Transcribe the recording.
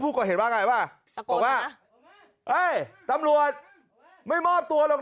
ก่อเหตุว่าไงป่ะบอกว่าเอ้ยตำรวจไม่มอบตัวหรอก